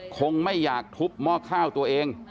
คงไม่อยากทุบหม้อข้าวตัวเอง